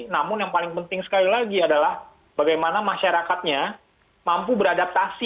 namun yang paling penting sekali lagi adalah bagaimana masyarakatnya mampu beradaptasi